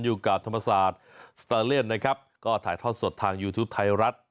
อยู่กับธรรมศาสตร์สตาเลียนนะครับก็ถ่ายทอดสดทางยูทูปไทยรัฐ